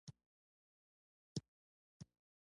د یو بل د خوښیو او غمونو ملګري شئ.